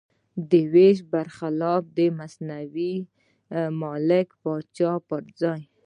د وېش پر خلاف د مصنوعي ملک پاکستان پر ځای.